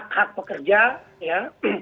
karena sangat pekerja ya